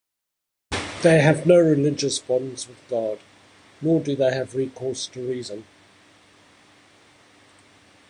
They have no religious bonds with God, nor do they have recourse to reason.